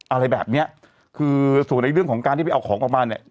อะไรแบบเนี้ยคือส่วนในเรื่องของการที่ไปเอาของออกมาเนี่ย